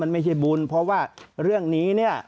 ไม่ใช่บุญเพราะว่าเรื่องนี้เนี่ย